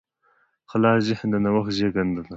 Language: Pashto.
خلاص ذهن د نوښت زېږنده دی.